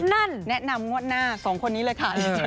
นั่นแนะนำงวดหน้าสองคนนี้เลยค่ะ